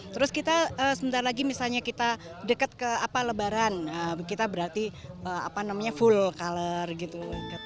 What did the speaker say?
terus kita sebentar lagi misalnya kita dekat ke lebaran kita berarti full color gitu